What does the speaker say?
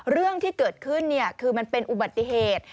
เรื่องที่เกิดขึ้นคือมันเป็นอุบัติเหตุ